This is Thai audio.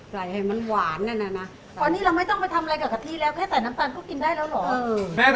ใส่ให้มันหวานนั่นน่ะนะตอนนี้เราไม่ต้องไปทำอะไรกับกะทิแล้วแค่ใส่น้ำตาลก็กินได้แล้วเหรอ